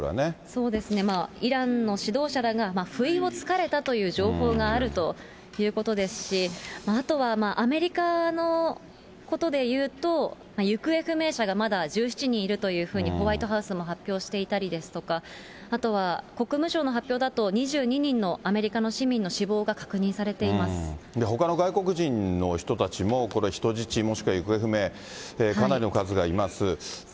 そうですね、イランの指導者らが不意をつかれたという情報があるということですし、あとはまあ、アメリカのことで言うと、行方不明者がまだ１７人いるというふうに、ホワイトハウスも発表していたりですとか、あとは国務省の発表だと２２人のアメリカの市民の死亡が確認されほかの外国人の人たちも、これ、人質もしくは行方不明、かなりの数がいます。